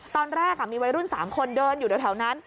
ตอนแรกมีวัยรุ่น๓คนเดินอยู่แถวนั้น